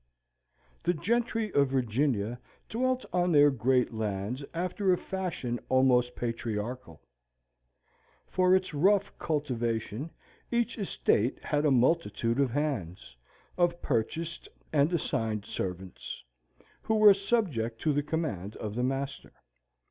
The gentry of Virginia dwelt on their great lands after a fashion almost patriarchal. For its rough cultivation, each estate had a multitude of hands of purchased and assigned servants who were subject to the command of the master.